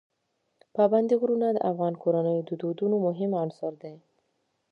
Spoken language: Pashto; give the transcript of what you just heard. پابندی غرونه د افغان کورنیو د دودونو مهم عنصر دی.